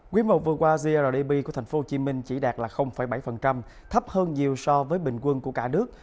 quy mô vừa qua grdp của tp hcm chỉ đạt bảy thấp hơn nhiều so với bình quân của cả nước